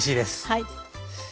はい。